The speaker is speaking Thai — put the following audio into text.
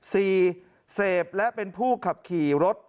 เสพและเป็นผู้ขับขี่รถ